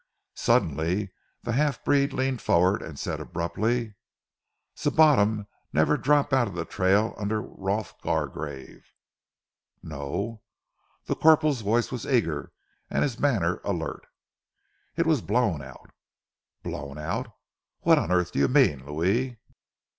Suddenly the half breed leaned forward and said abruptly "Ze bottom nevaire drop out of ze trail under Rolf Gargrave!" "No?" The corporal's voice was eager and his manner alert. "It was blown out!" "Blown out! What on earth do you mean, Louis?"